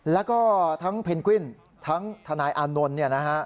แล้วก็ทั้งเพนกวิ้นทั้งทนายอานนท์